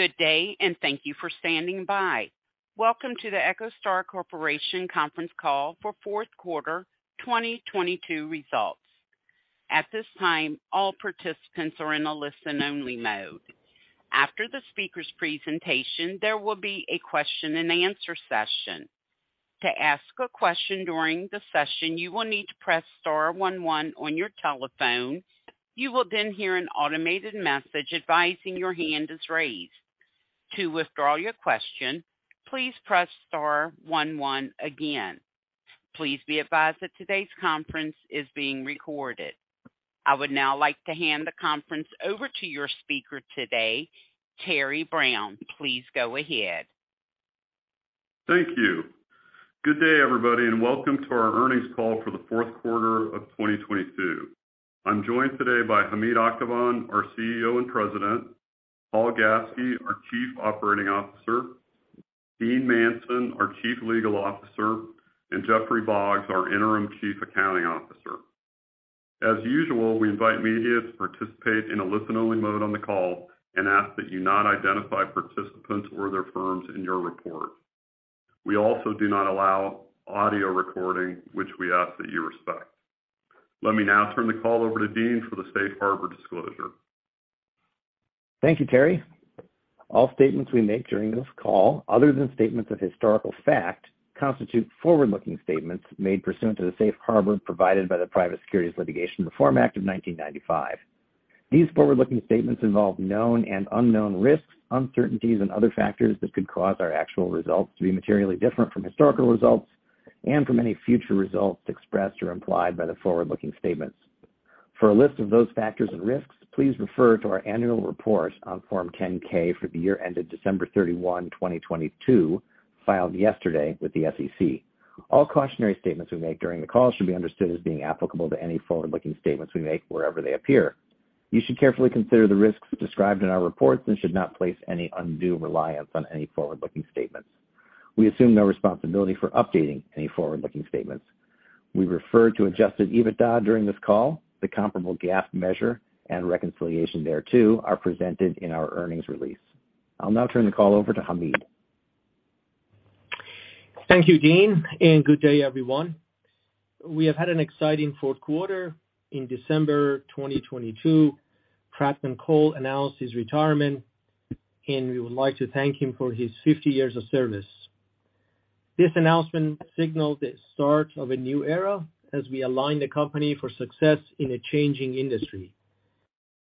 Good day. Thank you for standing by. Welcome to the EchoStar Corporation conference call for fourth quarter 2022 results. At this time, all participants are in a listen-only mode. After the speaker's presentation, there will be a question-and-answer session. To ask a question during the session, you will need to press star one one on your telephone. You will hear an automated message advising your hand is raised. To withdraw your question, please press star one one again. Please be advised that today's conference is being recorded. I would now like to hand the conference over to your speaker today, Terry Brown. Please go ahead. Thank you. Good day, everybody, welcome to our earnings call for the fourth quarter of 2022. I'm joined today by Hamid Akhavan, our CEO and President, Paul Gaske, our Chief Operating Officer, Dean Manson, our Chief Legal Officer, and Jeffrey Boggs, our interim Chief Accounting Officer. As usual, we invite media to participate in a listen-only mode on the call and ask that you not identify participants or their firms in your report. We also do not allow audio recording, which we ask that you respect. Let me now turn the call over to Dean for the safe harbor disclosure. Thank you, Terry. All statements we make during this call, other than statements of historical fact, constitute forward-looking statements made pursuant to the safe harbor provided by the Private Securities Litigation Reform Act of 1995. These forward-looking statements involve known and unknown risks, uncertainties, and other factors that could cause our actual results to be materially different from historical results and from any future results expressed or implied by the forward-looking statements. For a list of those factors and risks, please refer to our annual report on Form 10-K for the year ended December 31st, 2022, filed yesterday with the SEC. All cautionary statements we make during the call should be understood as being applicable to any forward-looking statements we make wherever they appear. You should carefully consider the risks described in our reports and should not place any undue reliance on any forward-looking statements. We assume no responsibility for updating any forward-looking statements. We refer to adjusted EBITDA during this call. The comparable GAAP measure and reconciliation thereto are presented in our earnings release. I'll now turn the call over to Hamid. Thank you, Dean. Good day, everyone. We have had an exciting fourth quarter. In December 2022, Pradman Kaul announced his retirement. We would like to thank him for his 50 years of service. This announcement signaled the start of a new era as we align the company for success in a changing industry.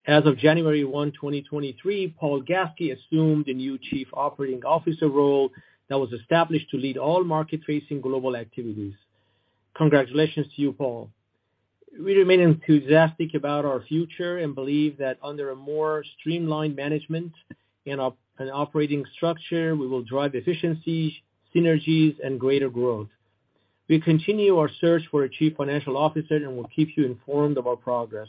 As of January 1st, 2023, Paul Gaske assumed a new Chief Operating Officer role that was established to lead all market-facing global activities. Congratulations to you, Paul. We remain enthusiastic about our future. We believe that under a more streamlined management and operating structure, we will drive efficiency, synergies, and greater growth. We continue our search for a chief financial officer. We will keep you informed of our progress.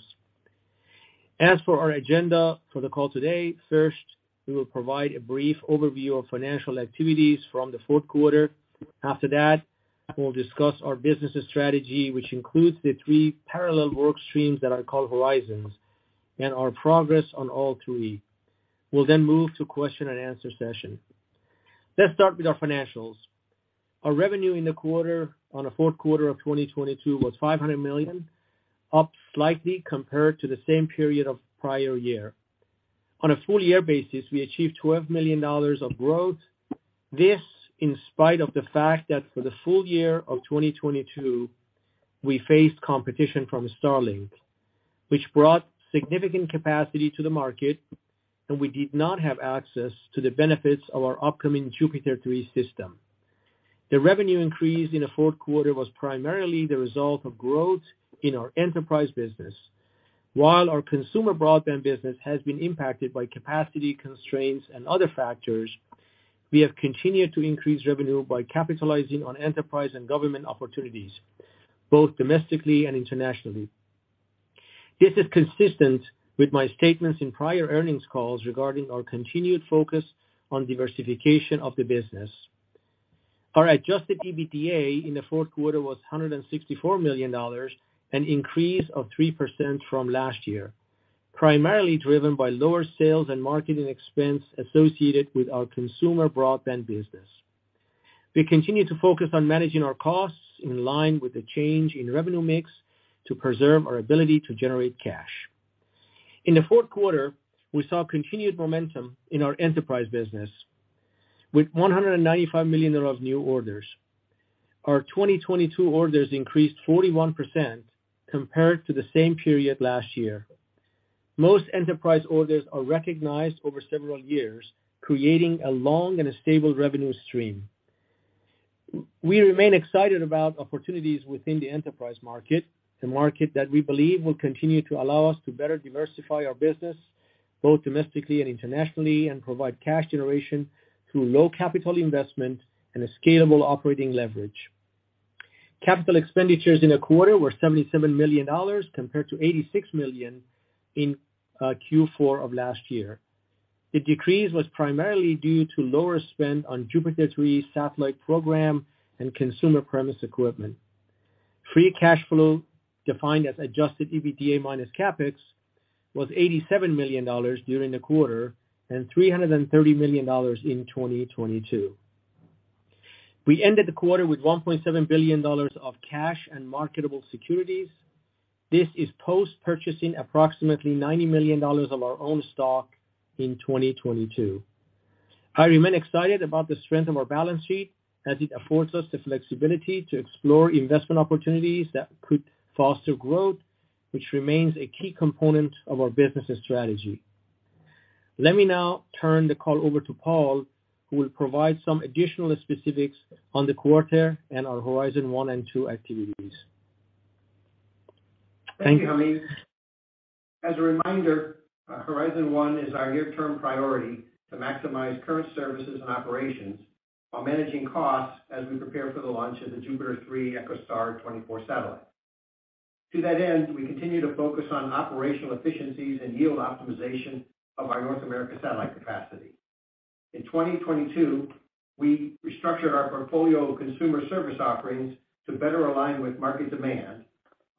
As for our agenda for the call today, first, we will provide a brief overview of financial activities from the fourth quarter. After that, we'll discuss our business strategy, which includes the three parallel work streams that are called Horizons and our progress on all three. We'll move to question-and-answer session. Let's start with our financials. Our revenue in the quarter on the fourth quarter of 2022 was $500 million, up slightly compared to the same period of prior year. On a full year basis, we achieved $12 million of growth. This in spite of the fact that for the full year of 2022, we faced competition from Starlink, which brought significant capacity to the market, and we did not have access to the benefits of our upcoming JUPITER 3 system. The revenue increase in the fourth quarter was primarily the result of growth in our enterprise business. While our consumer broadband business has been impacted by capacity constraints and other factors, we have continued to increase revenue by capitalizing on enterprise and government opportunities, both domestically and internationally. This is consistent with my statements in prior earnings calls regarding our continued focus on diversification of the business. Our adjusted EBITDA in the fourth quarter was $164 million, an increase of 3% from last year, primarily driven by lower sales and marketing expense associated with our consumer broadband business. We continue to focus on managing our costs in line with the change in revenue mix to preserve our ability to generate cash. In the fourth quarter, we saw continued momentum in our enterprise business with $195 million of new orders. Our 2022 orders increased 41% compared to the same period last year. Most enterprise orders are recognized over several years, creating a long and a stable revenue stream. We remain excited about opportunities within the enterprise market, the market that we believe will continue to allow us to better diversify our business both domestically and internationally, and provide cash generation through low capital investment and a scalable operating leverage. Capital expenditures in the quarter were $77 million compared to $86 million in Q4 of last year. The decrease was primarily due to lower spend on JUPITER 3 satellite program and consumer premise equipment. Free cash flow, defined as adjusted EBITDA minus CapEx, was $87 million during the quarter and $330 million in 2022. We ended the quarter with $1.7 billion of cash and marketable securities. This is post-purchasing approximately $90 million of our own stock in 2022. I remain excited about the strength of our balance sheet as it affords us the flexibility to explore investment opportunities that could foster growth, which remains a key component of our business strategy. Let me now turn the call over to Paul, who will provide some additional specifics on the quarter and our Horizon 1 and Horizon 2 activities. Thank you, Hamid. As a reminder, Horizon 1 is our near-term priority to maximize current services and operations while managing costs as we prepare for the launch of the JUPITER 3 EchoStar XXIV satellite. To that end, we continue to focus on operational efficiencies and yield optimization of our North America satellite capacity. In 2022, we restructured our portfolio of consumer service offerings to better align with market demand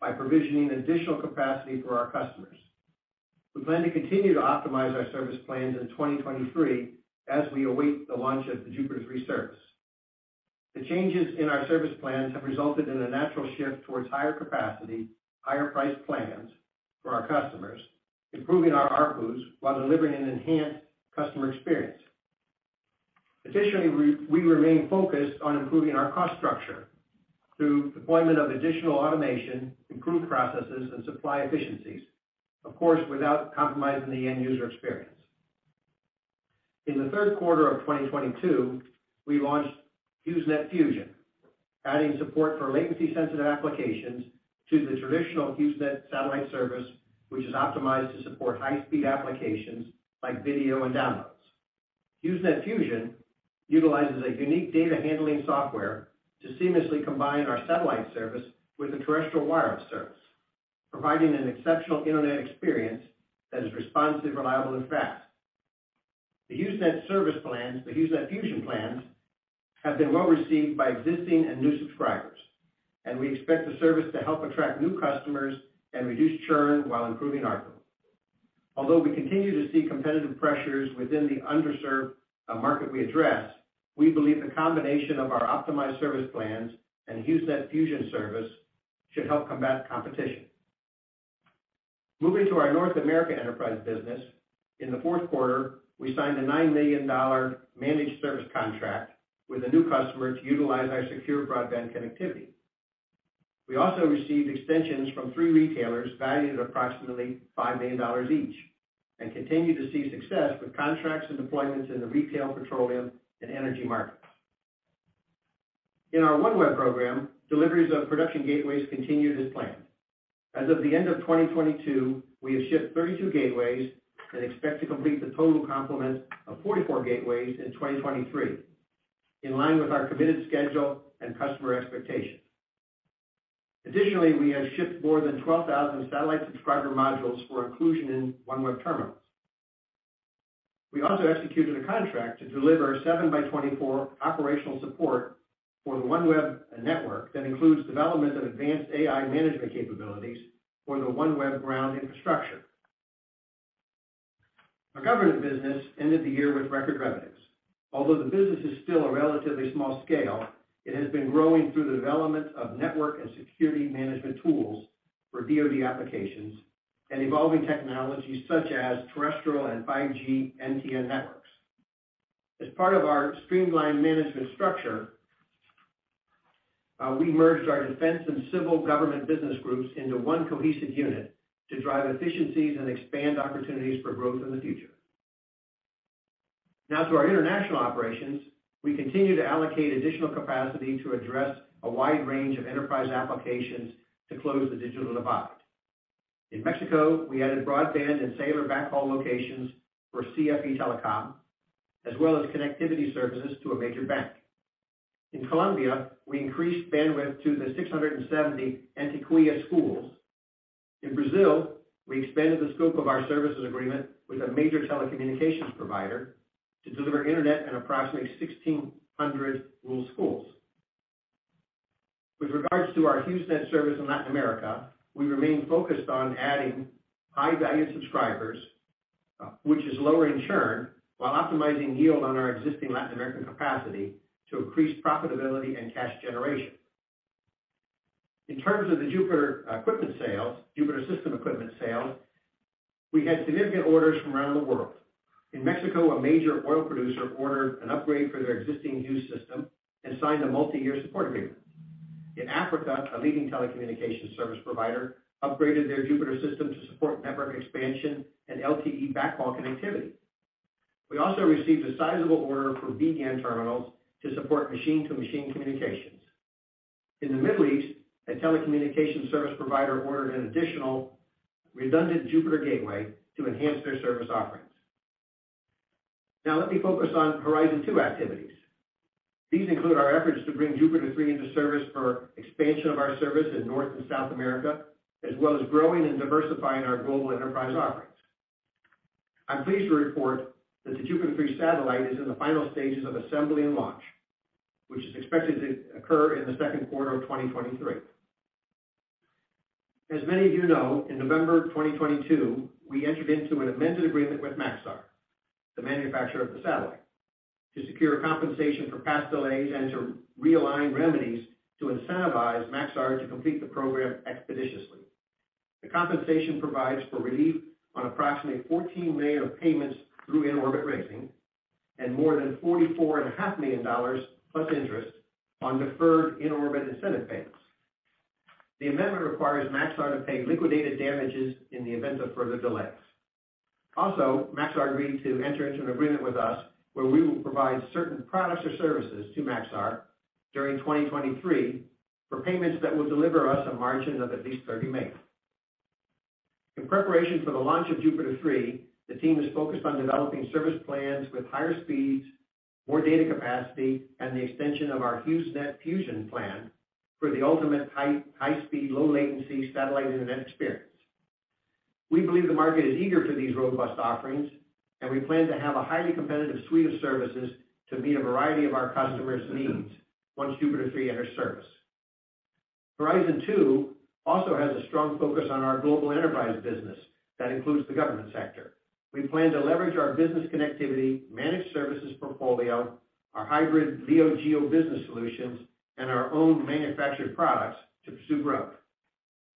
by provisioning additional capacity for our customers. We plan to continue to optimize our service plans in 2023 as we await the launch of the JUPITER 3 service. The changes in our service plans have resulted in a natural shift towards higher capacity, higher priced plans for our customers, improving our ARPU while delivering an enhanced customer experience. We remain focused on improving our cost structure through deployment of additional automation, improved processes and supply efficiencies. Of course, without compromising the end user experience. In the third quarter of 2022, we launched Hughesnet Fusion, adding support for latency-sensitive applications to the traditional Hughesnet satellite service, which is optimized to support high-speed applications like video and downloads. Hughesnet Fusion utilizes a unique data-handling software to seamlessly combine our satellite service with a terrestrial wireless service, providing an exceptional internet experience that is responsive, reliable and fast. The Hughesnet service plans, the Hughesnet Fusion plans, have been well received by existing and new subscribers, and we expect the service to help attract new customers and reduce churn while improving ARPU. Although we continue to see competitive pressures within the underserved market we address, we believe the combination of our optimized service plans and Hughesnet Fusion service should help combat competition. Moving to our North America enterprise business. In the fourth quarter, we signed a $9 million managed service contract with a new customer to utilize our secure broadband connectivity. We also received extensions from three retailers valued at approximately $5 million each, and continue to see success with contracts and deployments in the retail, petroleum and energy markets. In our OneWeb program, deliveries of production gateways continued as planned. As of the end of 2022, we have shipped 32 gateways and expect to complete the total complement of 44 gateways in 2023, in line with our committed schedule and customer expectations. Additionally, we have shipped more than 12,000 satellite subscriber modules for inclusion in OneWeb terminals. We also executed a contract to deliver 7x24 operational support for the OneWeb network that includes development of advanced AI management capabilities for the OneWeb ground infrastructure. Our government business ended the year with record revenues. Although the business is still a relatively small scale, it has been growing through the development of network and security management tools for DoD applications and evolving technologies such as terrestrial and 5G NTN networks. As part of our streamlined management structure, we merged our defense and civil government business groups into one cohesive unit to drive efficiencies and expand opportunities for growth in the future. To our international operations. We continue to allocate additional capacity to address a wide range of enterprise applications to close the digital divide. In Mexico, we added broadband and cellular backhaul locations for CFE Telecom, as well as connectivity services to a major bank. In Colombia, we increased bandwidth to the 670 Antioquia schools. In Brazil, we expanded the scope of our services agreement with a major telecommunications provider to deliver internet in approximately 1,600 rural schools. With regards to our Hughesnet service in Latin America, we remain focused on adding high value subscribers, which is lowering churn while optimizing yield on our existing Latin American capacity to increase profitability and cash generation. In terms of the JUPITER system equipment sales, we had significant orders from around the world. In Mexico, a major oil producer ordered an upgrade for their existing Hughes system and signed a multi-year support agreement. In Africa, a leading telecommunications service provider upgraded their JUPITER system to support network expansion and LTE backhaul connectivity. We also received a sizable order for BGAN terminals to support machine-to-machine communications. In the Middle East, a telecommunications service provider ordered an additional redundant JUPITER gateway to enhance their service offerings. Let me focus on Horizon 2 activities. These include our efforts to bring JUPITER 3 into service for expansion of our service in North and South America, as well as growing and diversifying our global enterprise offerings. I'm pleased to report that the JUPITER 3 satellite is in the final stages of assembly and launch, which is expected to occur in the second quarter of 2023. As many of you know, in November 2022, we entered into an amended agreement with Maxar, the manufacturer of the satellite, to secure compensation for past delays and to realign remedies to incentivize Maxar to complete the program expeditiously. The compensation provides for relief on approximately $14 million of payments through in-orbit raising and more than $44.5 Million+ interest on deferred in-orbit incentive payments. The amendment requires Maxar to pay liquidated damages in the event of further delays. Also, Maxar agreed to enter into an agreement with us where we will provide certain products or services to Maxar during 2023 for payments that will deliver us a margin of at least 30 basis points. In preparation for the launch of JUPITER 3, the team is focused on developing service plans with higher speeds, more data capacity, and the extension of our Hughesnet Fusion plan for the ultimate high, high speed, low latency satellite internet experience. We believe the market is eager for these robust offerings, and we plan to have a highly competitive suite of services to meet a variety of our customers' needs once JUPITER 3 enters service. Horizon 2 also has a strong focus on our global enterprise business that includes the government sector. We plan to leverage our business connectivity, managed services portfolio, our hybrid LEO GEO business solutions, and our own manufactured products to pursue growth.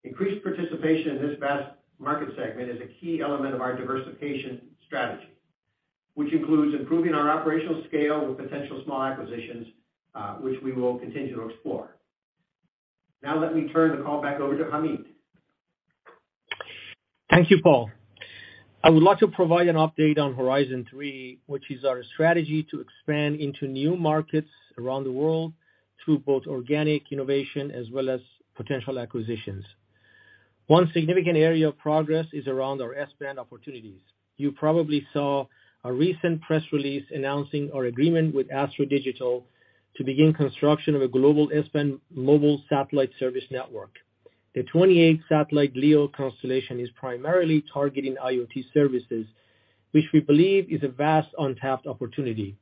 Increased participation in this vast market segment is a key element of our diversification strategy, which includes improving our operational scale with potential small acquisitions, which we will continue to explore. Let me turn the call back over to Hamid. Thank you, Paul. I would like to provide an update on Horizon 3, which is our strategy to expand into new markets around the world through both organic innovation as well as potential acquisitions. One significant area of progress is around our S-band opportunities. You probably saw a recent press release announcing our agreement with Astro Digital to begin construction of a global S-band mobile satellite service network. The 28-satellite LEO constellation is primarily targeting IoT services, which we believe is a vast untapped opportunity.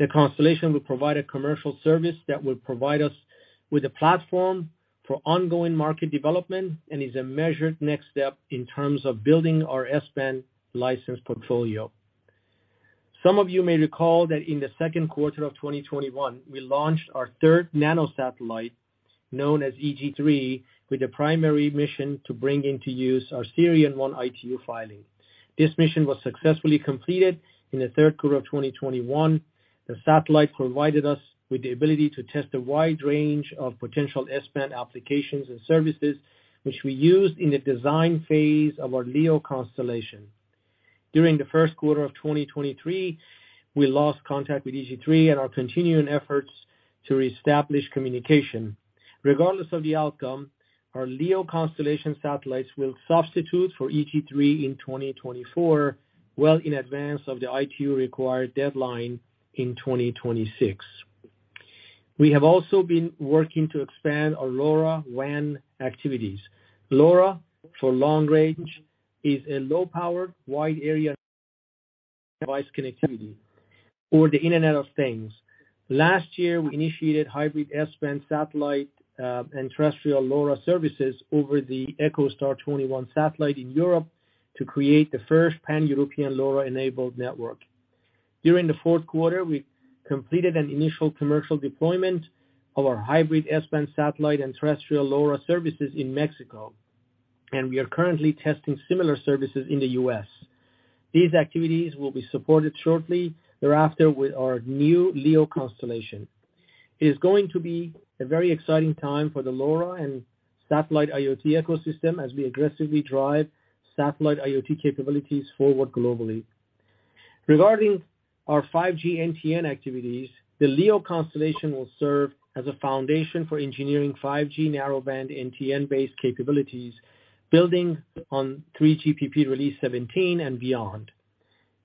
The constellation will provide a commercial service that will provide us with a platform for ongoing market development and is a measured next step in terms of building our S-band license portfolio. Some of you may recall that in the second quarter of 2021, we launched our third nanosatellite, known as EG3, with the primary mission to bring into use our SIRION-1 ITU filing. This mission was successfully completed in the third quarter of 2021. The satellite provided us with the ability to test a wide range of potential S-band applications and services, which we used in the design phase of our LEO constellation. During the 1st quarter of 2023, we lost contact with EG3 and are continuing efforts to reestablish communication. Regardless of the outcome, our LEO constellation satellites will substitute for EG3 in 2024, well in advance of the ITU required deadline in 2026. We have also been working to expand our LoRaWAN activities. LoRa, for long range, is a low-powered, wide area device connectivity or the Internet of Things. Last year, we initiated hybrid S-band satellite and terrestrial LoRa services over the EchoStar XXI satellite in Europe to create the first Pan-European LoRa-enabled network. During the fourth quarter, we completed an initial commercial deployment of our hybrid S-band satellite and terrestrial LoRa services in Mexico, and we are currently testing similar services in the U.S. These activities will be supported shortly thereafter with our new LEO constellation. It is going to be a very exciting time for the LoRa and satellite IoT ecosystem as we aggressively drive satellite IoT capabilities forward globally. Regarding our 5G NTN activities, the LEO constellation will serve as a foundation for engineering 5G narrowband NTN-based capabilities building on 3GPP Release 17 and beyond.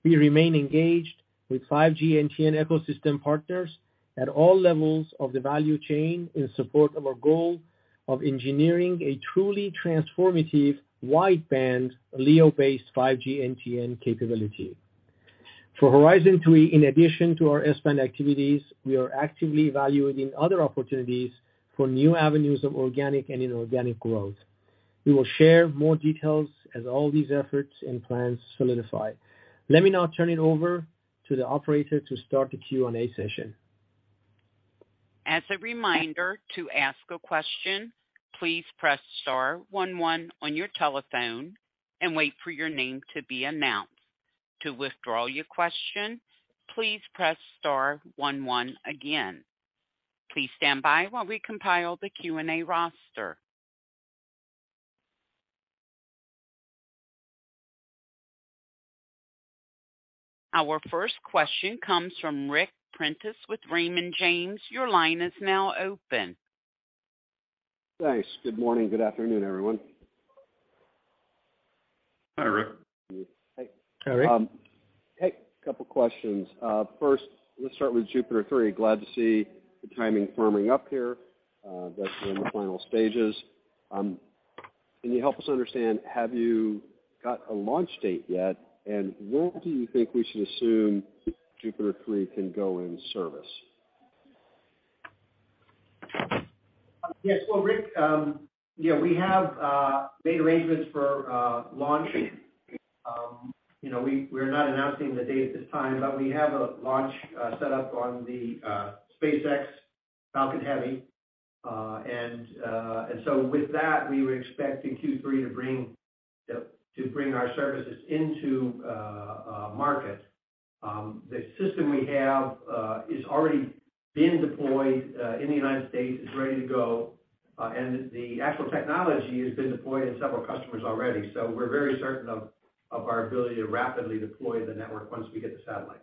We remain engaged with 5G NTN ecosystem partners at all levels of the value chain in support of our goal of engineering a truly transformative wideband LEO-based 5G NTN capability. For Horizon 3, in addition to our S-band activities, we are actively evaluating other opportunities for new avenues of organic and inorganic growth. We will share more details as all these efforts and plans solidify. Let me now turn it over to the operator to start the Q&A session. As a reminder, to ask a question, please press star one one on your telephone and wait for your name to be announced. To withdraw your question, please press star one one again. Please stand by while we compile the Q&A roster. Our first question comes from Ric Prentiss with Raymond James. Your line is now open. Thanks. Good morning. Good afternoon, everyone. Hi, Ric. Hey. Hi, Ric. Hey, a couple questions. First, let's start with JUPITER 3. Glad to see the timing firming up here, that's in the final stages. Can you help us understand, have you got a launch date yet, and when do you think we should assume JUPITER 3 can go in service? Yes. Well, Rick, yeah, we have made arrangements for launch. You know, we're not announcing the date at this time, but we have a launch set up on the SpaceX Falcon Heavy. With that, we were expecting Q3 to bring our services into market. The system we have is already been deployed in the United States. It's ready to go. The actual technology has been deployed in several customers already. We're very certain of our ability to rapidly deploy the network once we get the satellite.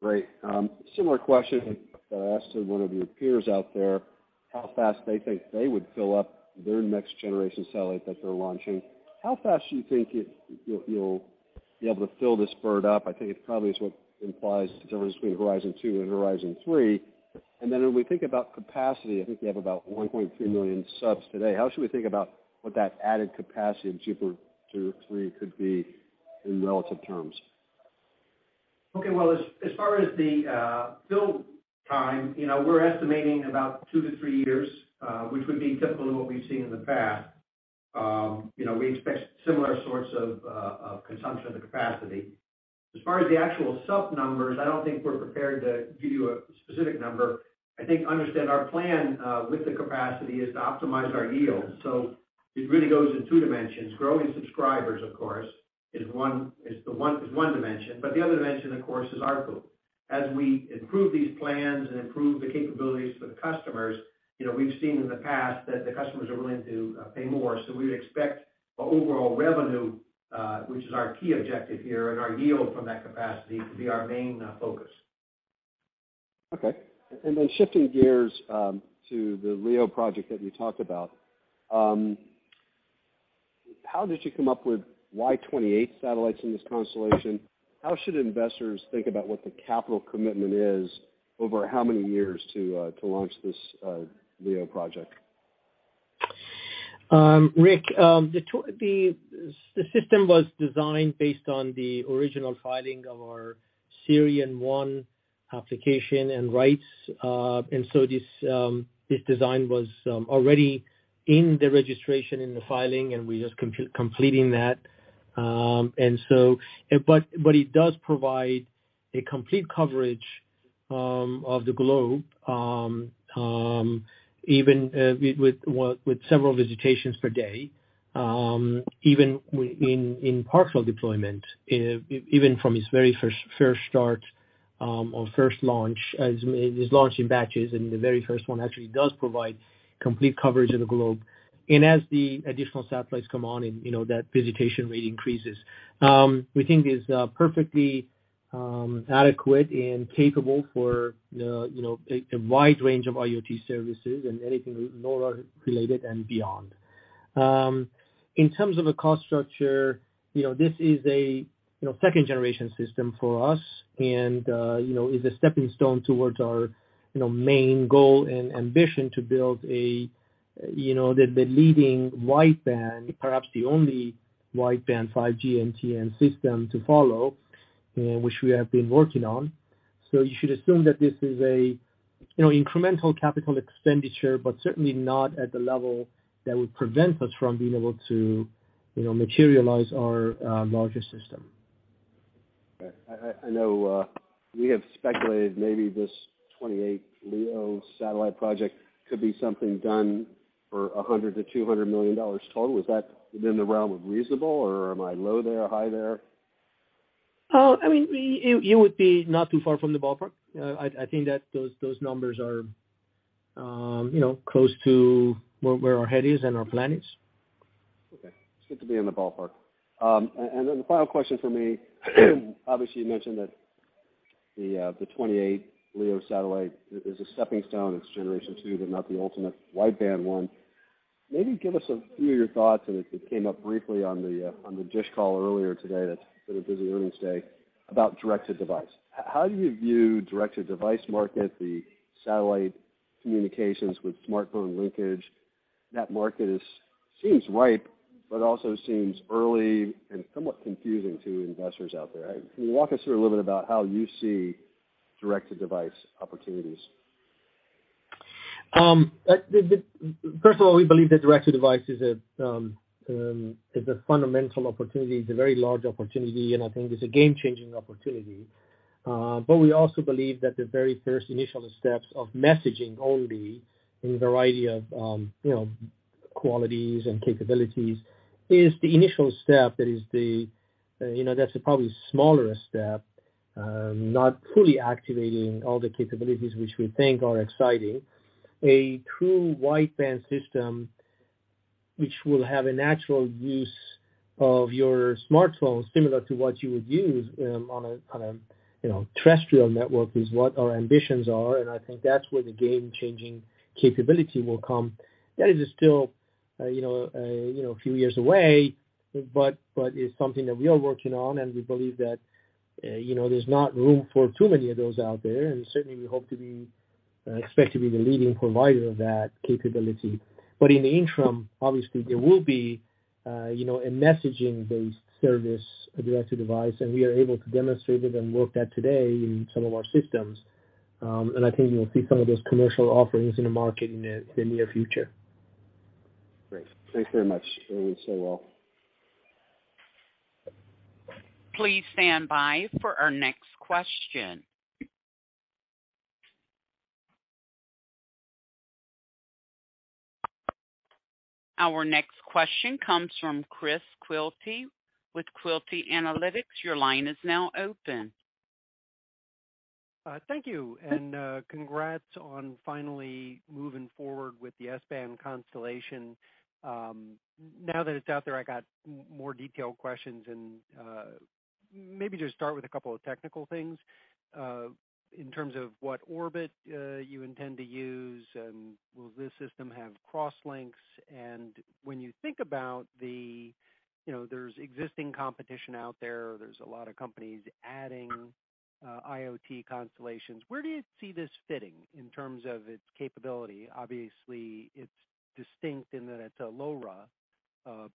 Great. Similar question that I asked to one of your peers out there, how fast they think they would fill up their next generation satellite that they're launching. How fast do you think you'll, you'll be able to fill this bird up? I think it probably is what implies the difference between Horizon 2 and Horizon 3. When we think about capacity, I think we have about $1.3 million subs today. How should we think about what that added capacity of JUPITER 2, JUPITER 3 could be in relative terms? Okay. Well, as far as the build time, you know, we're estimating about two to three years, which would be typical of what we've seen in the past. You know, we expect similar sorts of consumption of the capacity. As far as the actual sub numbers, I don't think we're prepared to give you a specific number. I think understand our plan with the capacity is to optimize our yield. It really goes in two dimensions. Growing subscribers, of course, is one dimension, but the other dimension, of course, is ARPU. As we improve these plans and improve the capabilities for the customers, you know, we've seen in the past that the customers are willing to pay more. We would expect our overall revenue, which is our key objective here, and our yield from that capacity to be our main focus. Okay. Then shifting gears, to the LEO project that you talked about. How did you come up with why 28 satellites in this constellation? How should investors think about what the capital commitment is over how many years to launch this LEO project? Ric, the system was designed based on the original filing of our SIRION-1 application and rights. This design was already in the registration in the filing, and we're just completing that. But it does provide a complete coverage of the globe, even with several visitations per day, even in partial deployment, even from its very first start, or first launch, as it is launched in batches, and the very first one actually does provide complete coverage of the globe. As the additional satellites come on and, you know, that visitation rate increases. We think it's perfectly adequate and capable for the, you know, a wide range of IoT services and anything lower related and beyond. In terms of the cost structure, you know, this is a, you know, second generation system for us and, you know, is a stepping stone towards our, you know, main goal and ambition to build a, you know, the leading wideband, perhaps the only wideband 5G NTN system to follow, which we have been working on. You should assume that this is a, you know, incremental capital expenditure, but certainly not at the level that would prevent us from being able to, you know, materialize our larger system. I know, we have speculated maybe this 28 LEO satellite project could be something done for $100 million-$200 million total. Is that within the realm of reasonable or am I low there, high there? I mean, you would be not too far from the ballpark. I think that those numbers are, you know, close to where our head is and our plan is. It's good to be in the ballpark. The final question for me, obviously you mentioned that the 28 LEO satellite is a stepping stone. It's Generation 2, but not the ultimate wideband 1. Maybe give us a few of your thoughts, and it came up briefly on the DISH call earlier today. It's been a busy earnings day about direct to device. How do you view direct to device market, the satellite communications with smartphone linkage? That market seems ripe, but also seems early and somewhat confusing to investors out there. Can you walk us through a little bit about how you see direct to device opportunities? First of all, we believe that direct to device is a fundamental opportunity. It's a very large opportunity, and I think it's a game-changing opportunity. We also believe that the very first initial steps of messaging only in a variety of, you know, qualities and capabilities is the initial step that is the, you know, that's probably smaller step, not fully activating all the capabilities which we think are exciting. A true wideband system which will have a natural use of your smartphone, similar to what you would use, on a, you know, terrestrial network, is what our ambitions are, and I think that's where the game-changing capability will come. That is still, you know, a, you know, a few years away, but it's something that we are working on, and we believe that, you know, there's not room for too many of those out there. Certainly, I expect to be the leading provider of that capability. In the interim, obviously, there will be, you know, a messaging-based service device, and we are able to demonstrate it and work that today in some of our systems. I think you'll see some of those commercial offerings in the market in the near future. Great. Thanks very much. That was so well. Please stand by for our next question. Our next question comes from Chris Quilty with Quilty Analytics. Your line is now open. Thank you, and congrats on finally moving forward with the S-band constellation. Now that it's out there, I got more detailed questions. Maybe just start with a couple of technical things in terms of what orbit you intend to use and will this system have cross links? When you think about the You know, there's existing competition out there's a lot of companies adding IoT constellations. Where do you see this fitting in terms of its capability? Obviously, it's distinct in that it's a LoRa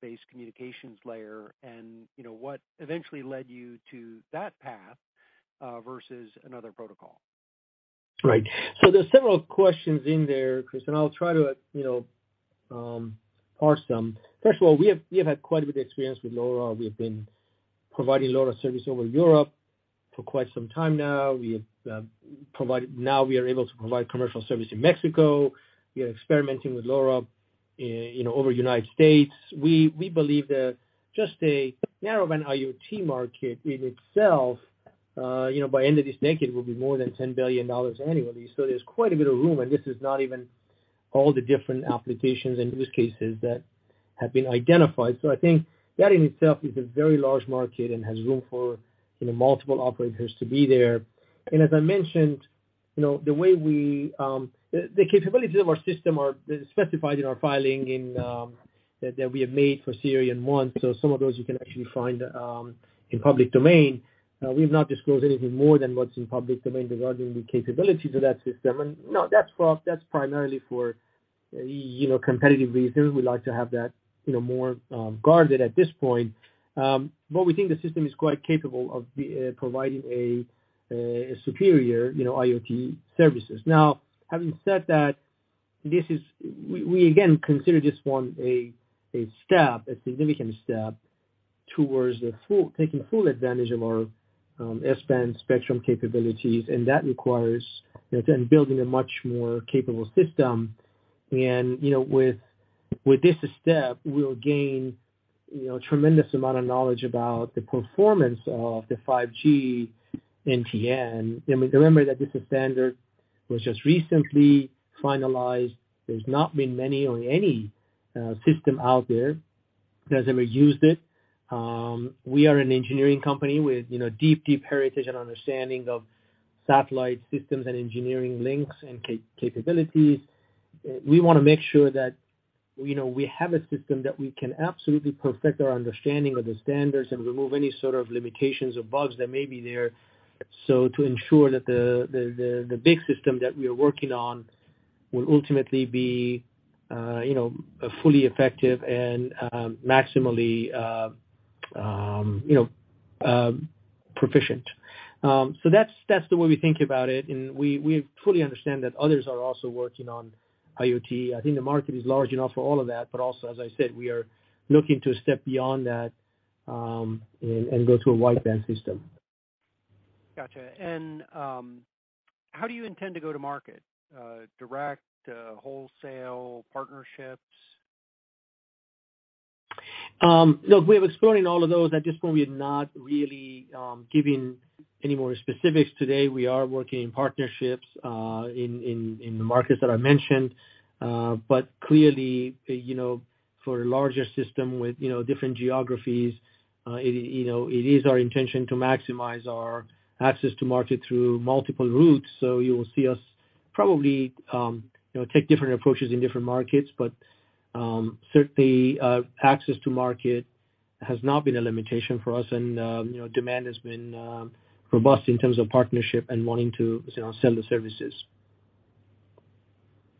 based communications layer. You know, what eventually led you to that path versus another protocol? Right. There are several questions in there, Chris, and I'll try to, you know, parse them. First of all, we have had quite a bit of experience with LoRa. We've been providing LoRa service over Europe for quite some time now. Now we are able to provide commercial service in Mexico. We are experimenting with LoRa, you know, over United States. We believe that just a narrowband IoT market in itself, you know, by end of this decade, will be more than $10 billion annually. There's quite a bit of room, and this is not even all the different applications and use cases that have been identified. I think that in itself is a very large market and has room for, you know, multiple operators to be there. As I mentioned, you know, the way we, the capabilities of our system are, is specified in our filing in that we have made for SIRION-1. Some of those you can actually find in public domain. We've not disclosed anything more than what's in public domain regarding the capabilities of that system. You know, that's primarily for, you know, competitive reasons. We like to have that, you know, more guarded at this point. We think the system is quite capable of providing a superior, you know, IoT services. Now, having said that, We again consider this one a step, a significant step towards taking full advantage of our S-band spectrum capabilities, and that requires then building a much more capable system. You know, with this step, we'll gain, you know, tremendous amount of knowledge about the performance of the 5G NTN. I mean, remember that this standard was just recently finalized. There's not been many or any system out there that's ever used it. We are an engineering company with, you know, deep, deep heritage and understanding of satellite systems and engineering links and capabilities. We wanna make sure that, you know, we have a system that we can absolutely perfect our understanding of the standards and remove any sort of limitations or bugs that may be there. To ensure that the big system that we are working on will ultimately be, you know, fully effective and maximally, you know, proficient. That's the way we think about it, and we fully understand that others are also working on IoT. I think the market is large enough for all of that. Also, as I said, we are looking to step beyond that, and go to a wideband system. Gotcha. How do you intend to go to market? direct, wholesale, partnerships? Look, we're exploring all of those. At this point, we are not really giving any more specifics today. We are working in partnerships in the markets that I mentioned. Clearly, you know, for a larger system with, you know, different geographies, it, you know, it is our intention to maximize our access to market through multiple routes. You will see us probably, you know, take different approaches in different markets. Certainly, access to market has not been a limitation for us. You know, demand has been robust in terms of partnership and wanting to, you know, sell the services.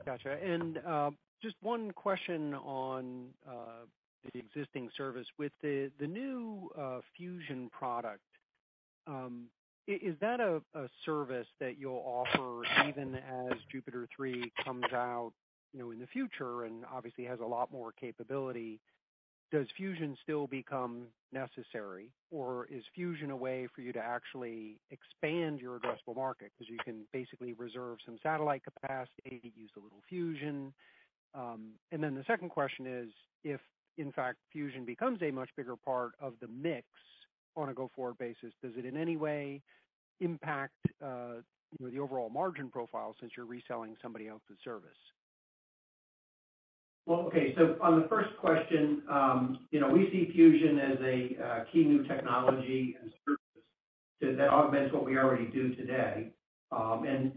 Gotcha. Just one question on the existing service. With the new Fusion product, is that a service that you'll offer even as JUPITER 3 comes out, you know, in the future and obviously has a lot more capability? Does Fusion still become necessary, or is Fusion a way for you to actually expand your addressable market? Because you can basically reserve some satellite capacity, use a little Fusion. Then the second question is: If, in fact, Fusion becomes a much bigger part of the mix on a go-forward basis, does it in any way impact, you know, the overall margin profile since you're reselling somebody else's service? Well, okay. On the first question, you know, we see Fusion as a key new technology and service that augments what we already do today.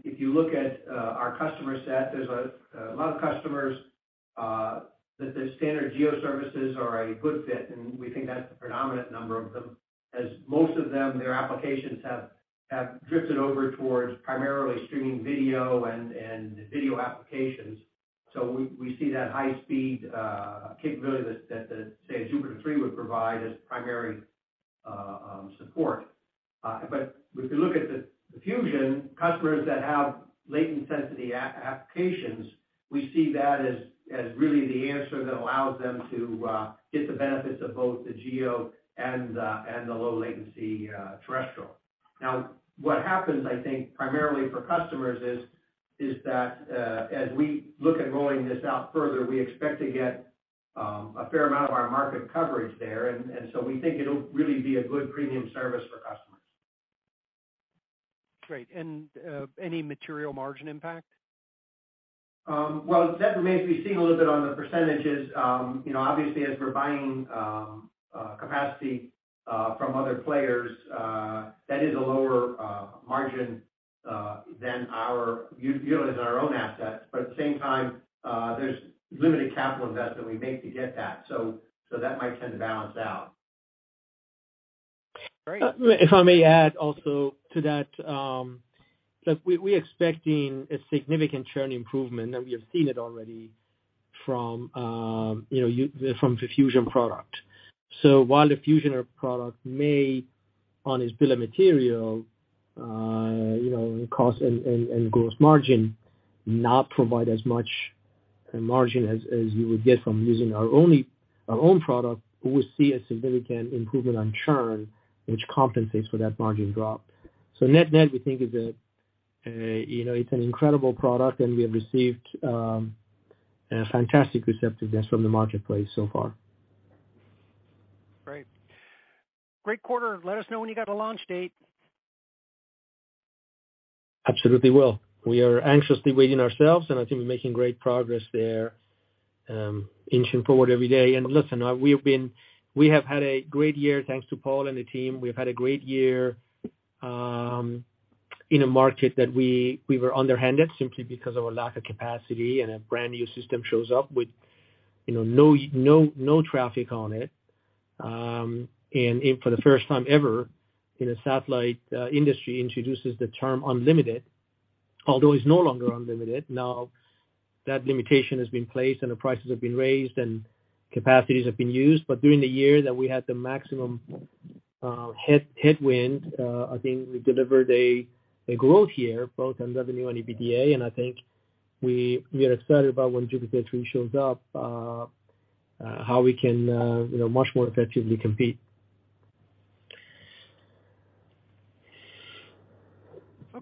If you look at our customer set, there's a lot of customers. That the standard GEO services are a good fit, and we think that's the predominant number of them, as most of them, their applications have drifted over towards primarily streaming video and video applications. We see that high speed capability that the, say, JUPITER 3 would provide as primary support. If you look at the Fusion customers that have latency-sensitive applications, we see that as really the answer that allows them to get the benefits of both the GEO and the low latency terrestrial. What happens, I think, primarily for customers is that as we look at rolling this out further, we expect to get a fair amount of our market coverage there. We think it'll really be a good premium service for customers. Great. Any material margin impact? Well, that remains to be seen a little bit on the percentages. You know, obviously as we're buying capacity from other players, that is a lower margin than our utilizing our own assets. At the same time, there's limited capital investment we make to get that. That might tend to balance out. Great. If I may add also to that, look, we're expecting a significant churn improvement, and we have seen it already from, you know, from the Fusion product. While the Fusion product may, on its bill of material, you know, cost and gross margin, not provide as much a margin as you would get from using our own product, we see a significant improvement on churn, which compensates for that margin drop. Net-net, we think is a, you know, it's an incredible product and we have received a fantastic receptiveness from the marketplace so far. Great. Great quarter. Let us know when you got a launch date. Absolutely will. We are anxiously waiting ourselves. I think we're making great progress there, inching forward every day. Listen, we have had a great year thanks to Paul and the team. We've had a great year, in a market that we were underhanded simply because of a lack of capacity and a brand-new system shows up with, you know, no traffic on it. For the first time ever in a satellite industry introduces the term unlimited, although it's no longer unlimited. Now that limitation has been placed and the prices have been raised and capacities have been used. During the year that we had the maximum headwind, I think we delivered a growth year, both on revenue and EBITDA. I think we are excited about when JUPITER 3 shows up, how we can, you know, much more effectively compete.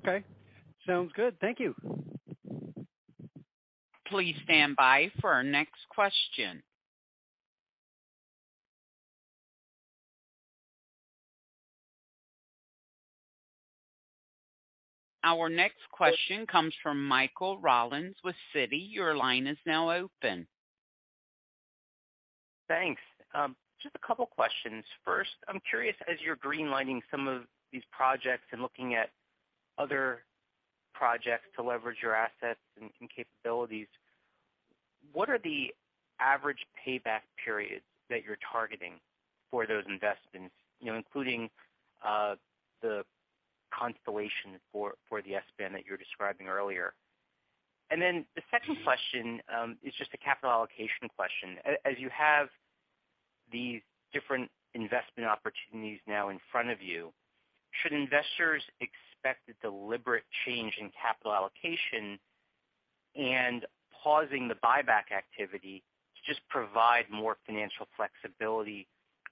Okay. Sounds good. Thank you. Please stand by for our next question. Our next question comes from Michael Rollins with Citi. Your line is now open. Thanks. Just a couple questions. First, I'm curious, as you're greenlighting some of these projects and looking at other projects to leverage your assets and capabilities, what are the average payback periods that you're targeting for those investments, you know, including the constellation for the S-band that you were describing earlier? The second question is just a capital allocation question. As you have these different investment opportunities now in front of you, should investors expect a deliberate change in capital allocation and pausing the buyback activity to just provide more financial flexibility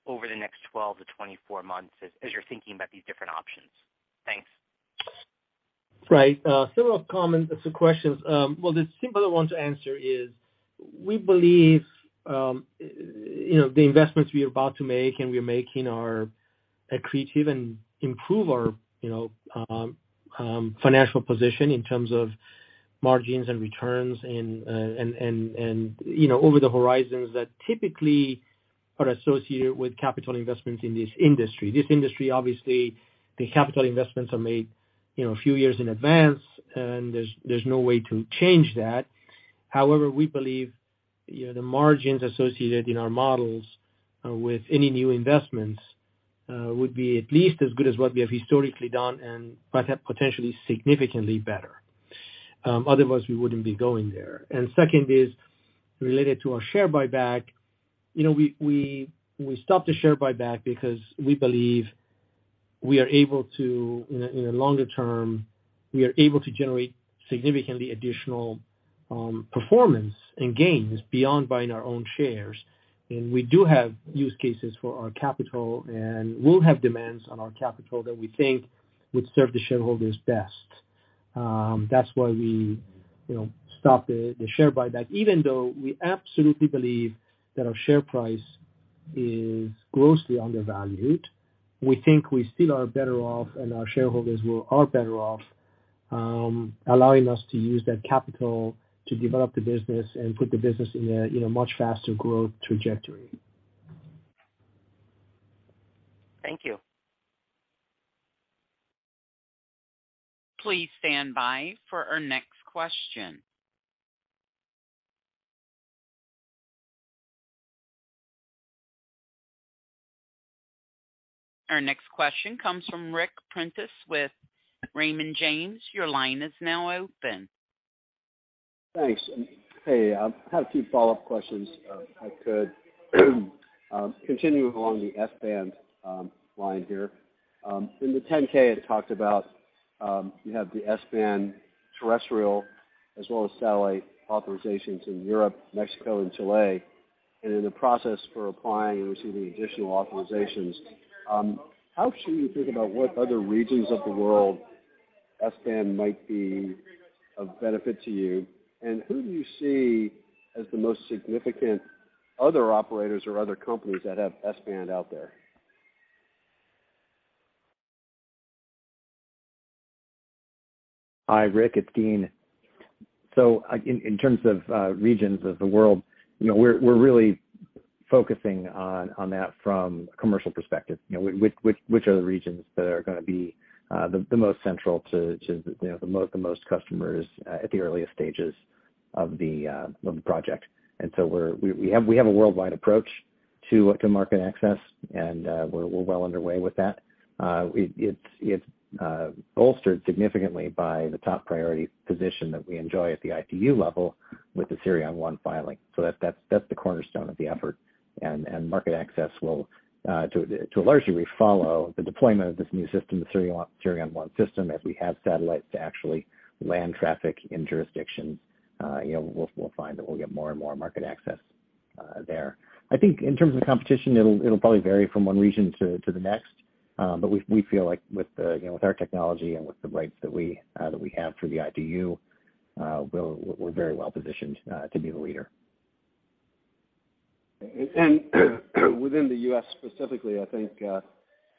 over the next 12 months-24 months as you're thinking about these different options? Thanks. Right. Several comments to questions. Well, the simpler one to answer is we believe, you know, the investments we're about to make and we're making are accretive and improve our, you know, financial position in terms of margins and returns and, you know, over the horizons that typically are associated with capital investments in this industry. This industry, obviously, the capital investments are made, you know, a few years in advance, and there's no way to change that. However, we believe, you know, the margins associated in our models, with any new investments, would be at least as good as what we have historically done and might have potentially significantly better. Otherwise we wouldn't be going there. Second is related to our share buyback. You know, we stopped the share buyback because we believe we are able to, in a longer term, we are able to generate significantly additional performance and gains beyond buying our own shares. We do have use cases for our capital and will have demands on our capital that we think would serve the shareholders best. That's why we, you know, stopped the share buyback, even though we absolutely believe that our share price is grossly undervalued. We think we still are better off and our shareholders are better off allowing us to use that capital to develop the business and put the business in a much faster growth trajectory. Thank you. Please stand by for our next question. Our next question comes from Ric Prentiss with Raymond James. Your line is now open. Thanks. Hey, I have a few follow-up questions if I could. Continuing along the S-band line here. In the 10-K it talked about, you have the S-band terrestrial as well as satellite authorizations in Europe, Mexico and Chile, and in the process for applying and receiving additional authorizations. How should we think about what other regions of the world S-band might be of benefit to you? Who do you see as the most significant other operators or other companies that have S-band out there? Hi, Ric, it's Dean. In terms of regions of the world, you know, we're really focusing on that from a commercial perspective. You know, which are the regions that are gonna be the most central to, you know, the most customers at the earliest stages of the project. We have a worldwide approach to market access and we're well underway with that. It's bolstered significantly by the top priority position that we enjoy at the ITU level with the SIRION-1 filing. That's the cornerstone of the effort. Market access will to a large degree follow the deployment of this new system, the SIRION-1 system. As we have satellites to actually land traffic in jurisdictions, you know, we'll find that we'll get more and more market access there. I think in terms of competition, it'll probably vary from one region to the next. We feel like with, you know, with our technology and with the rights that we have through the ITU, we're very well positioned to be the leader. within the U.S. specifically, I think,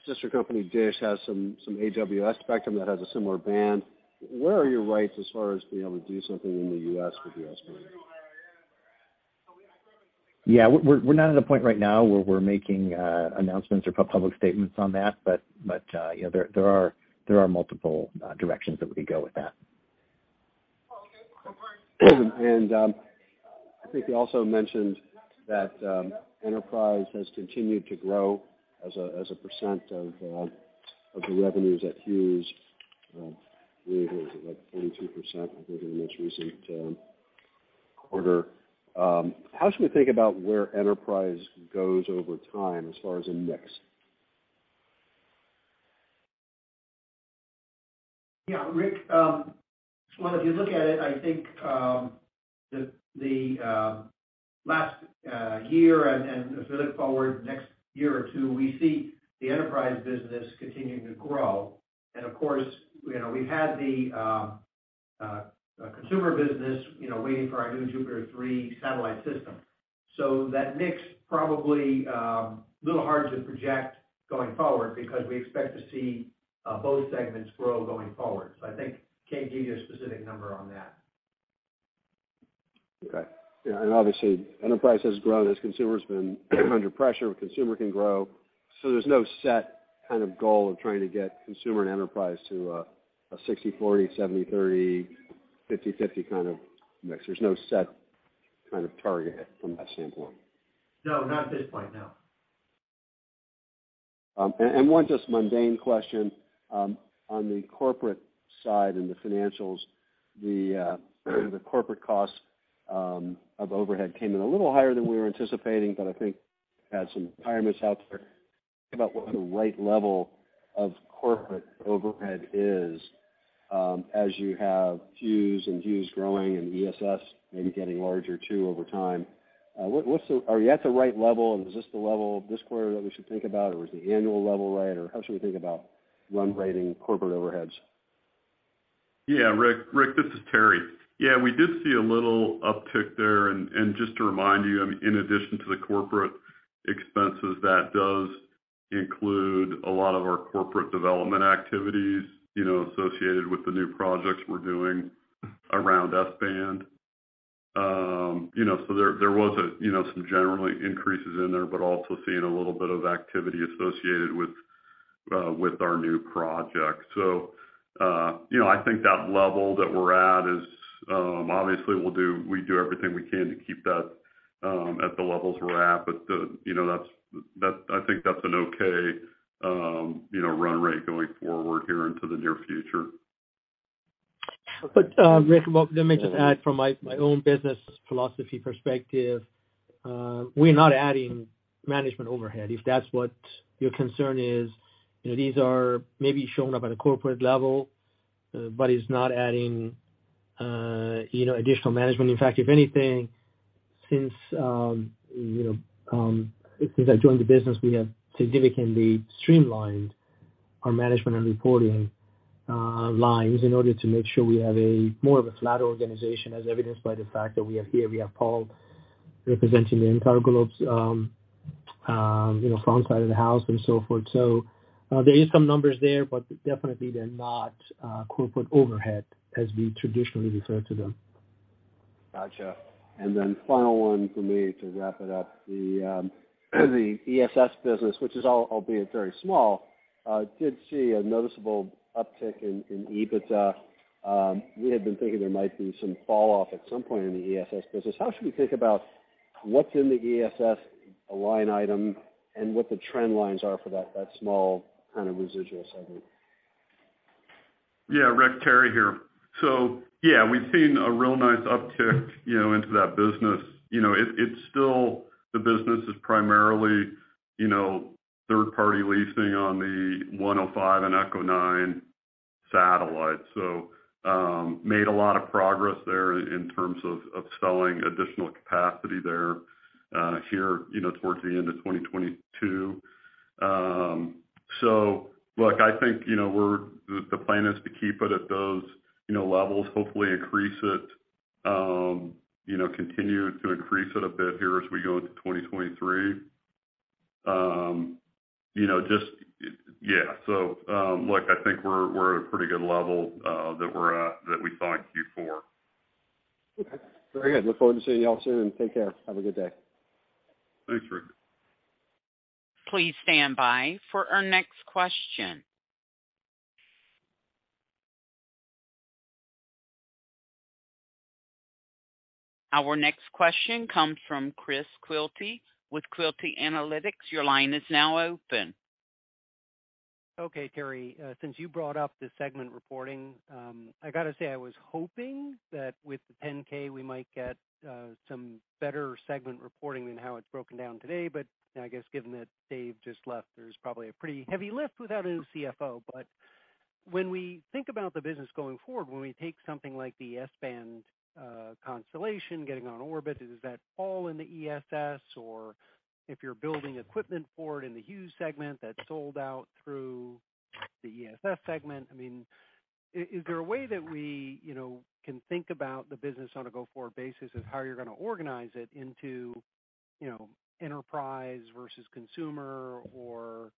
sister company DISH has some AWS spectrum that has a similar band. Where are your rights as far as being able to do something in the U.S. with the S-band? Yeah, we're not at a point right now where we're making announcements or public statements on that. You know, there are multiple directions that we could go with that. I think you also mentioned that enterprise has continued to grow as a percent of the revenues at Hughes. I believe it was like 22%, I think, in the most recent quarter. How should we think about where enterprise goes over time as far as a mix? Yeah, Ric, well, if you look at it, I think, the last year and if you look forward next year or two, we see the enterprise business continuing to grow. Of course, you know, we've had the consumer business, you know, waiting for our new JUPITER 3 satellite system. That mix probably a little hard to project going forward because we expect to see both segments grow going forward. I think can't give you a specific number on that. Okay. Yeah, obviously enterprise has grown as consumer's been under pressure, but consumer can grow. There's no set kind of goal of trying to get consumer and enterprise to a 60/40, 70/30, 50/50 kind of mix. There's no set kind of target from that standpoint. No, not at this point, no. One just mundane question. On the corporate side and the financials, the corporate costs of overhead came in a little higher than we were anticipating, I think had some tightness out there. Think about what the right level of corporate overhead is, as you have Hughes and Hughes growing and ESS maybe getting larger too over time. Are you at the right level? Is this the level this quarter that we should think about, or is the annual level right? How should we think about run rating corporate overheads? Yeah, Ric. This is Terry. Yeah, we did see a little uptick there. Just to remind you, I mean, in addition to the corporate expenses, that does include a lot of our corporate development activities, you know, associated with the new projects we're doing around S-band. You know, there was a, you know, some generally increases in there, but also seeing a little bit of activity associated with our new project. You know, I think that level that we're at is, obviously we do everything we can to keep that at the levels we're at. You know, that's, I think that's an okay, you know, run rate going forward here into the near future. Ric, well, let me just add from my own business philosophy perspective, we're not adding management overhead, if that's what your concern is. You know, these are maybe shown up at a corporate level, but it's not adding, you know, additional management. In fact, if anything, since, you know, since I joined the business, we have significantly streamlined our management and reporting lines in order to make sure we have a more of a flatter organization, as evidenced by the fact that we have here, we have Paul representing the entire globes, you know, front side of the house and so forth. There is some numbers there, but definitely they're not corporate overhead as we traditionally refer to them. Gotcha. Final one for me to wrap it up. The ESS business, which is all albeit very small, did see a noticeable uptick in EBITDA. We had been thinking there might be some falloff at some point in the ESS business. How should we think about what's in the ESS line item and what the trend lines are for that small kind of residual segment? Yeah. Rick, Terry here. Yeah, we've seen a real nice uptick, you know, into that business. You know, it's still the business is primarily, you know, third party leasing on the 105 and Echo 9 satellites. Made a lot of progress there in terms of selling additional capacity there, here, you know, towards the end of 2022. Look, I think, you know, the plan is to keep it at those, you know, levels, hopefully increase it, you know, continue to increase it a bit here as we go into 2023. You know, Yeah. Look, I think we're at a pretty good level that we're at, that we saw in Q4. Okay. Very good. Look forward to seeing you all soon. Take care. Have a good day. Thanks, Ric. Please stand by for our next question. Our next question comes from Chris Quilty with Quilty Analytics. Your line is now open. Okay, Terry, since you brought up the segment reporting, I gotta say I was hoping that with the 10-K we might get some better segment reporting than how it's broken down today. I guess given that Dave just left, there's probably a pretty heavy lift without a new CFO. When we think about the business going forward, when we take something like the S-band constellation getting on orbit, does that fall in the ESS? If you're building equipment for it in the Hughes segment that's sold out through the ESS segment. I mean, is there a way that we, you know, can think about the business on a go-forward basis of how you're gonna organize it into, you know, enterprise versus consumer or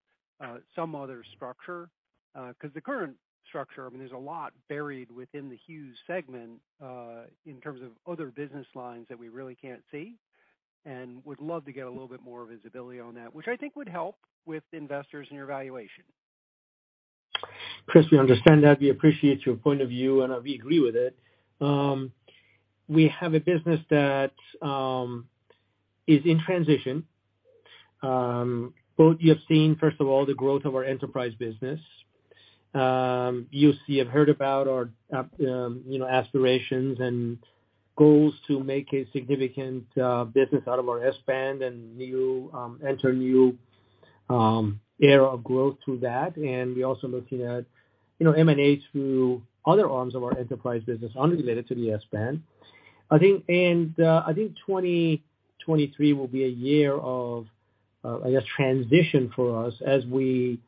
some other structure? Because the current structure, I mean, there's a lot buried within the Hughes segment, in terms of other business lines that we really can't see and would love to get a little bit more visibility on that, which I think would help with investors and your valuation. Chris, we understand that. We appreciate your point of view, and we agree with it. We have a business that is in transition. Both you have seen, first of all, the growth of our enterprise business. You have heard about our, you know, aspirations and goals to make a significant business out of our S-band and new era of growth through that. We're also looking at, you know, M&A through other arms of our enterprise business unrelated to the S-band. I think. I think 2023 will be a year of, I guess, transition for us as we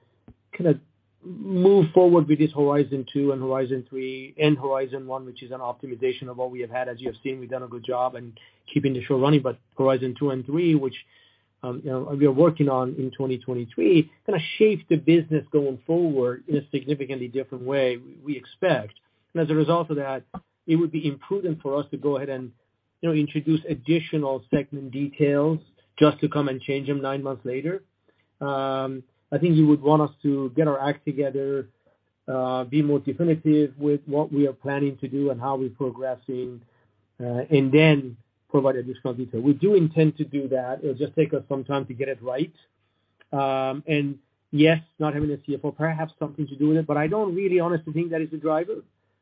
kinda move forward with this Horizon Two and Horizon Three and Horizon One, which is an optimization of what we have had. As you have seen, we've done a good job in keeping the show running. Horizon 2 and Horizon 3, which, you know, we are working on in 2023, gonna shape the business going forward in a significantly different way, we expect. As a result of that, it would be imprudent for us to go ahead and, you know, introduce additional segment details just to come and change them nine months later. I think you would want us to get our act together, be more definitive with what we are planning to do and how we're progressing, and then provide additional detail. We do intend to do that. It'll just take us some time to get it right. Yes, not having a CFO perhaps something to do with it, but I don't really honestly think that is a driver.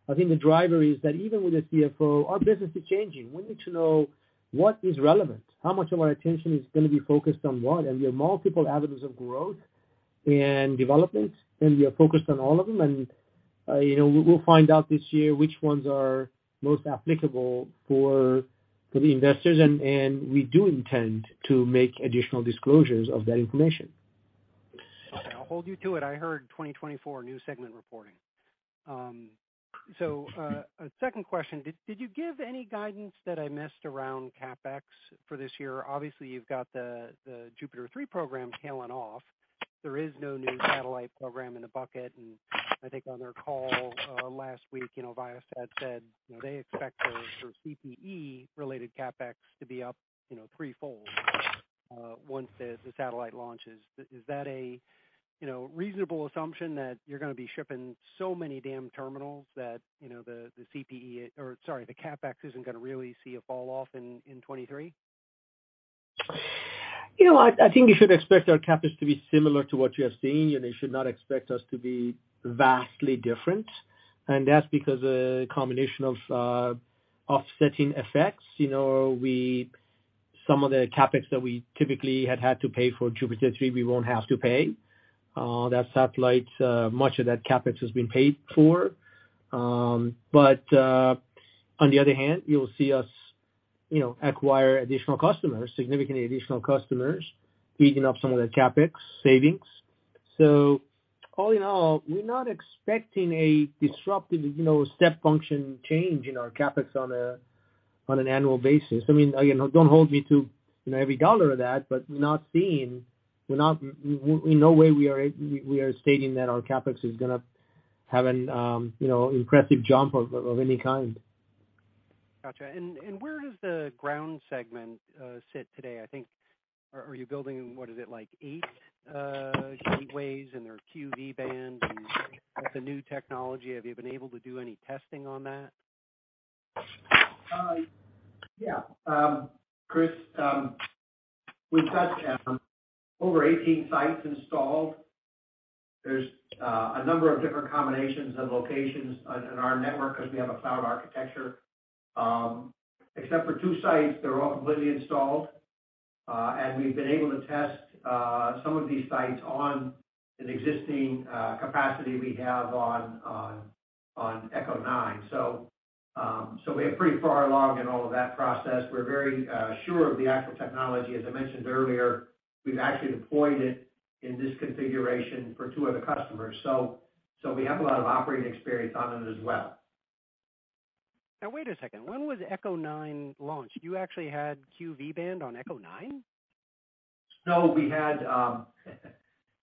I think the driver is that even with a CFO, our business is changing. We need to know what is relevant, how much of our attention is gonna be focused on what. There are multiple avenues of growth and development. We are focused on all of them. You know, we'll find out this year which ones are most applicable for the investors. We do intend to make additional disclosures of that information. Okay. I'll hold you to it. I heard 2024 new segment reporting. A second question. Did you give any guidance that I missed around CapEx for this year? Obviously, you've got the JUPITER 3 program tailing off. There is no new satellite program in the bucket. I think on their call last week, you know, Viasat said, you know, they expect their CPE related CapEx to be up, you know, threefold once the satellite launches. Is that a, you know, reasonable assumption that you're gonna be shipping so many damn terminals that, you know, the CPE or sorry, the CapEx isn't gonna really see a falloff in 2023? You know, I think you should expect our CapEx to be similar to what you have seen. You know, you should not expect us to be vastly different. That's because a combination of offsetting effects. You know, some of the CapEx that we typically had to pay for JUPITER 3, we won't have to pay. That satellite, much of that CapEx has been paid for. On the other hand, you'll see us, you know, acquire additional customers, significantly additional customers, eating up some of the CapEx savings. All in all, we're not expecting a disruptive, you know, step function change in our CapEx on an annual basis. I mean, you know, don't hold me to, you know, every dollar of that, but we're not seeing... We're in no way we are stating that our CapEx is gonna. Have an, you know, impressive jump of any kind. Gotcha. Where does the ground segment sit today? I think, are you building, what is it like eight gateways and their Q/V band and with the new technology, have you been able to do any testing on that? Yeah. Chris, we've got over 18 sites installed. There's a number of different combinations and locations on, in our network 'cause we have a cloud architecture. Except for two sites, they're all completely installed. We've been able to test some of these sites on an existing capacity we have on EchoStar IX We're pretty far along in all of that process. We're very sure of the actual technology. As I mentioned earlier, we've actually deployed it in this configuration for two other customers. We have a lot of operating experience on it as well. Now wait a second, when was EchoStar IX launched? You actually had Q/V band on EchoStar IX? We had,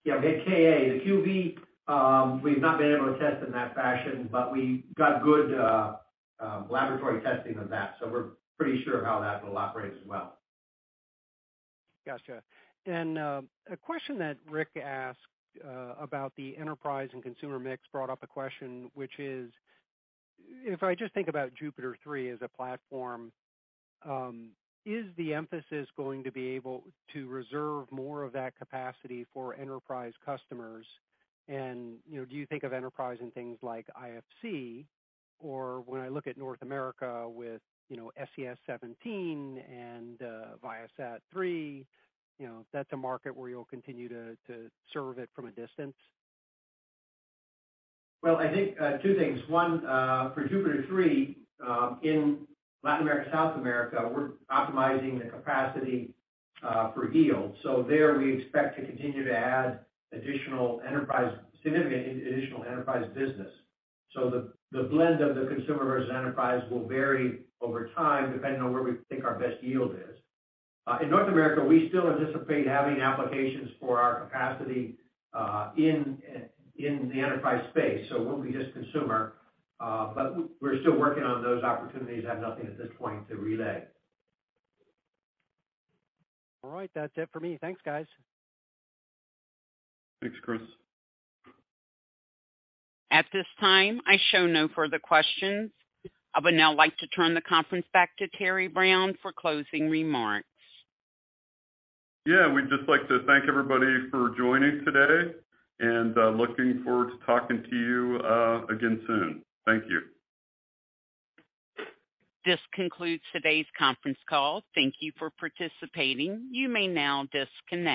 yeah, we had KA. The QV, we've not been able to test in that fashion, but we got good laboratory testing on that, so we're pretty sure how that will operate as well. Gotcha. A question that Ric asked about the enterprise and consumer mix brought up a question which is, if I just think about JUPITER 3 as a platform, is the emphasis going to be able to reserve more of that capacity for enterprise customers? You know, do you think of enterprise and things like IFC or when I look at North America with, you know, SES-17 and ViaSat-3, you know, that's a market where you'll continue to serve it from a distance? Well, I think two things. One, for JUPITER 3, in Latin America, South America, we're optimizing the capacity for yield. There we expect to continue to add significant additional enterprise business. The blend of the consumer versus enterprise will vary over time depending on where we think our best yield is. In North America, we still anticipate having applications for our capacity in the enterprise space, so it won't be just consumer. We're still working on those opportunities, have nothing at this point to relay. All right. That's it for me. Thanks, guys. Thanks, Chris. At this time, I show no further questions. I would now like to turn the conference back to Terry Brown for closing remarks. Yeah. We'd just like to thank everybody for joining today, and looking forward to talking to you again soon. Thank you. This concludes today's conference call. Thank you for participating. You may now disconnect.